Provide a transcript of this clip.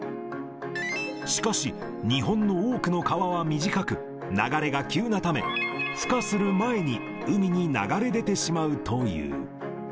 しかし、日本の多くの川は短く、流れが急なため、ふ化する前に海に流れ出てしまうという。